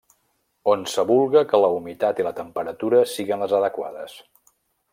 Onsevulga que la humitat i la temperatura siguen les adequades.